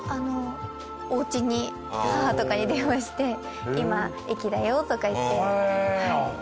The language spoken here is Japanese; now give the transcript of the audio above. おうちに母とかに電話して「今駅だよ」とか言って。